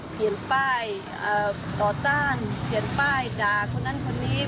เขียนป้ายต่อต้านเขียนป้ายจากคนนั้นคนนี้